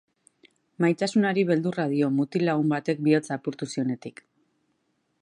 Maitasunari beldurra dio mutil-lagun batek bihotza apurtu zionetik.